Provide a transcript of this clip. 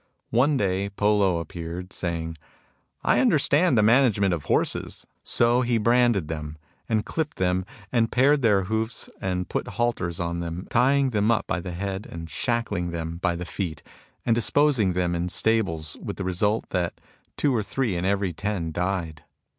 One day Po Lo appeared, saying :" I understand the management of horses." So he branded them, and clipped them, and pared their hoofs, and put halters on them, tying them up by the head and shackling them by the feet, and disposing them in stables, with the result that two or three in every ten died.